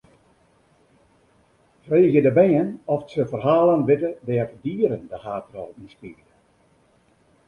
Freegje de bern oft se ferhalen witte dêr't dieren de haadrol yn spylje.